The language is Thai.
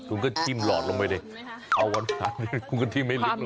คุณก็ชิมหลอดลงไปได้เอาวันผัดคุณกระทิไม่ลึกลงไป